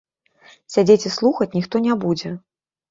Сядзець і слухаць ніхто не будзе.